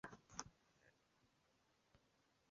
西汉惠帝三年地区。